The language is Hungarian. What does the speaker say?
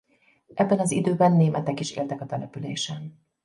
Ebben az időben németek is éltek a településen.